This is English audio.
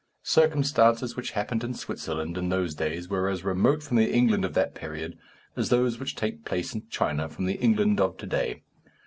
Circumstances which happened in Switzerland, in those days, were as remote from the England of that period as those which take place in China from the England of to day.